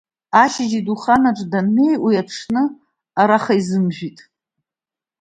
Ашьыжь идухан аҿы даннеи, уи аҽны араха изымжәит…